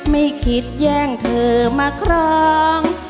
ไม่คิดแย่งเธอมาครอง